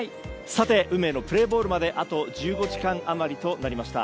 運命のプレーボールまであと１５時間余りとなりました。